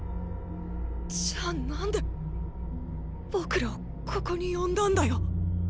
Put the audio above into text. じゃあ何で僕らをここに呼んだんだよ。